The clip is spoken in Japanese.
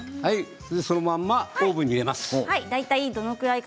そのままオーブンに入れます。